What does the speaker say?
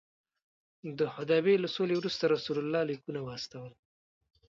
د حدیبیې له سولې وروسته رسول الله لیکونه واستول.